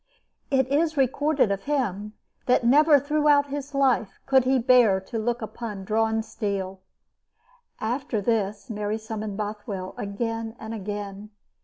It is recorded of him that never throughout his life could he bear to look upon drawn steel. After this Mary summoned Bothwell again and again.